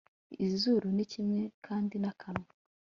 Izuru ni kimwe kandi nakanwa